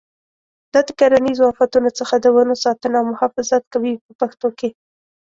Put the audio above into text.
دا د کرنیزو آفتونو څخه د ونو ساتنه او محافظت کوي په پښتو کې.